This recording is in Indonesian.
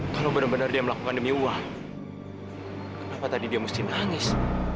kalau benar benar dia melakukan demi wah kenapa tadi dia mesti nangis